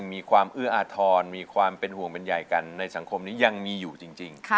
มีความเอื้ออาทรมีความเป็นห่วงเป็นใหญ่กันในสังคมนี้ยังมีอยู่จริง